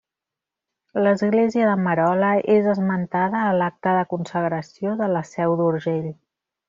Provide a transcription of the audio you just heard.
L'Església de Merola és esmentada a l'Acta de Consagració de la Seu d'Urgell.